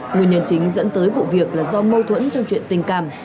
nguyên nhân chính dẫn tới vụ việc là do mâu thuẫn trong chuyện tình cảm